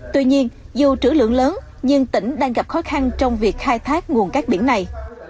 tuy nhiên dù chữ lượng lớn nhưng tỉnh đang gặp khó khăn trong việc khai thác nguồn các biển này